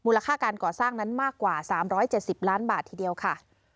ค่าการก่อสร้างนั้นมากกว่า๓๗๐ล้านบาททีเดียวค่ะ